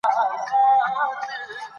د پور بیرته ورکولو پلان ولرئ.